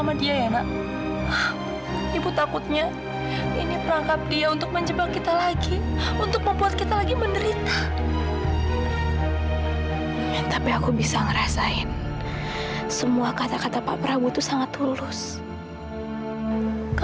mimpi itu yang menarik aku kembali dan membuat aku bisa buka mata